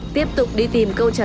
tiếp tục đi tìm câu chuyện